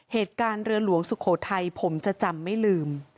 เหตุการณ์เรือหลวงสุโขทัยผมจะจำไม่ลืม